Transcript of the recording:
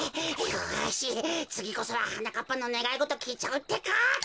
よしつぎこそははなかっぱのねがいごときいちゃうってか。